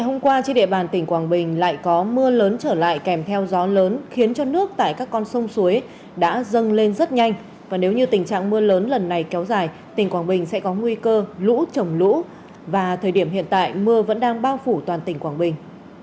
hôm qua trên địa bàn tỉnh quảng bình lại có mưa lớn trở lại kèm theo gió lớn khiến cho nước tại các con sông suối đã dâng lên rất nhanh và nếu như tình trạng mưa lớn lần này kéo dài tỉnh quảng bình sẽ có nguy cơ lũ trồng lũ và thời điểm hiện tại mưa vẫn đang bao phủ toàn tỉnh quảng bình